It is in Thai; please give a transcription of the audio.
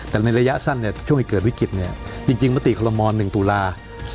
แต่ในระยะสั้นเนี่ยช่วงเกิดวิกฤตจริงมติขรมม๑ตุลา๒๕๖๒